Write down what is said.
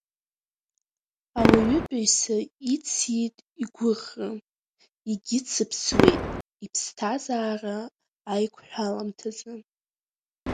Ауаҩытәыҩса ициит игәыӷра, иагьицыԥсуеит иԥсҭазаара аиқәҳәаламҭазы…